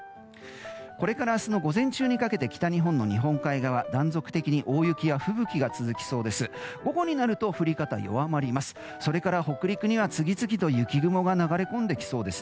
これから明日の午前中にかけて北日本の日本海側断続的に大雪や吹雪が続きそうです。